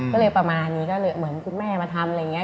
ก็เลยประมาณนี้ก็เลยเหมือนคุณแม่มาทำอะไรอย่างนี้